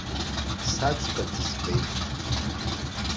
Саӡба дызбеит.